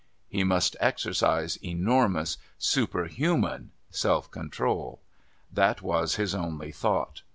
He must exercise enormous, superhuman, self control. That was his only thought.